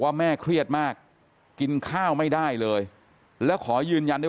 แม่เครียดมากกินข้าวไม่ได้เลยแล้วขอยืนยันด้วย